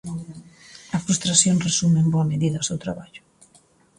A frustración resume en boa medida o seu traballo.